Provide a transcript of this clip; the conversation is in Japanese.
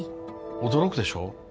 驚くでしょ？